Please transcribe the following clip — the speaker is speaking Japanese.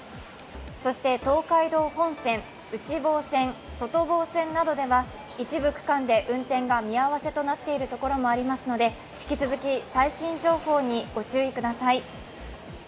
そして東海道本線、内房線、外房線などでは一部区間で運転が見合わせとなっているところもありますので、引き続き最新情報にご注意ください。